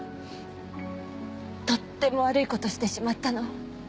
とっても悪いことをしてしまったの。